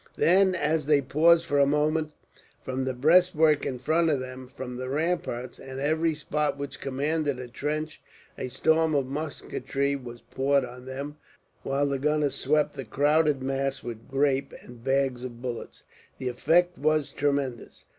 Then, as they paused for a moment, from the breastwork in front of them, from the ramparts, and every spot which commanded the trench, a storm of musketry was poured on them; while the gunners swept the crowded mass with grape, and bags of bullets. The effect was tremendous.